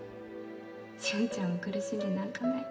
ジュンちゃんも苦しんでなんかない